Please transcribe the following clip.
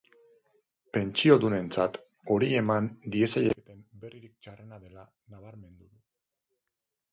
Pentsiodunentzat hori eman diezaieketen berririk txarrena dela nabarmendu du.